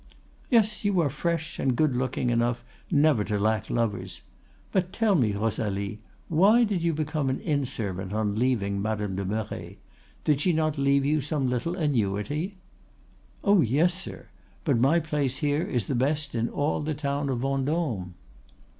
"'Yes; you are fresh and good looking enough never to lack lovers! But tell me, Rosalie, why did you become an inn servant on leaving Madame de Merret? Did she not leave you some little annuity?' "'Oh yes, sir. But my place here is the best in all the town of Vendôme.